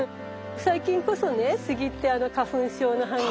最近こそねスギって花粉症の犯人。